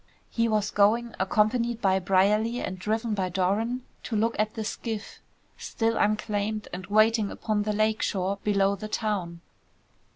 He was going, accompanied by Brierly and driven by Doran, to look at the skiff, still unclaimed and waiting upon the lake shore below the town.